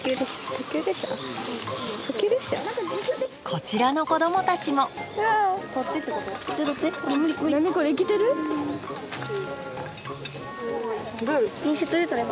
こちらの子どもたちもどれ？